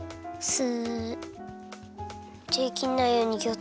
ス。